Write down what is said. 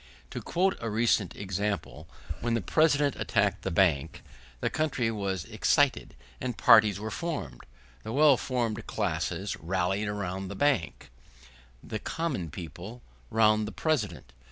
To quote a recent example. When the President attacked the Bank, the country was excited and parties were formed; the well informed classes rallied round the Bank, the common people round the President.